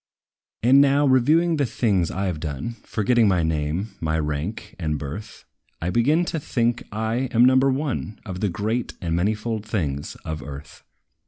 And now, reviewing the things I 've done, Forgetting my name, my rank and birth, I begin to think I am number one Of the great and manifold things of earth.